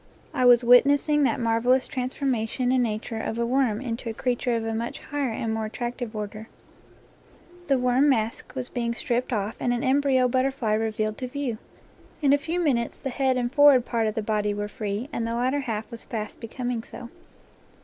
I was wit nessing that marvelous transformation in nature of 19 NATURE LORE a worm into a creature of a much higher and more attractive order; the worm mask was being stripped off, and an embryo butterfly revealed to view. In a few minutes the head and forward part of the body were free, and the latter half was fast becoming so.